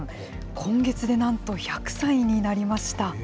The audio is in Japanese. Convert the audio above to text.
今月でなんと１００歳になりました。